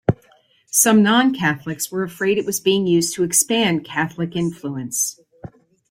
Some non-Catholics were afraid it was being used to expand Catholic influence.